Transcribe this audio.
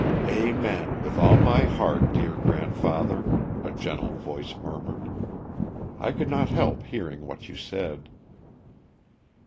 "Amen with all my heart, dear grandfather," a gentle voice murmured. "I could not help hearing what you said."